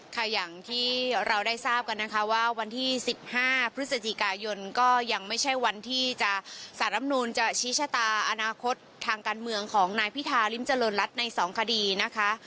ค่ะอย่างที่เราได้ทราบกันนะคะว่าวันที่๑๕พฤศจิกายนก็ยังไม่ใช่วันที่จะสารรำนูนจะชี้ชะตาอนาคตทางการเมืองของนายพิธาริมเจริญรัฐใน๒คดีนะคะ